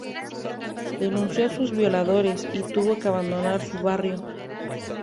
Denunció a sus violadores, y tuvo que abandonar su barrio.